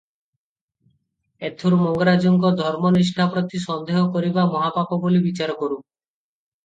ଏଥକୁ ମଙ୍ଗରାଜଙ୍କ ଧର୍ମନିଷ୍ଠା ପ୍ରତି ସନ୍ଦେହ କରିବା ମହାପାପ ବୋଲି ବିଚାର କରୁଁ ।